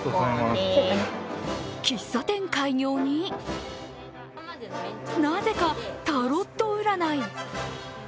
喫茶店開業になぜかタロット占い。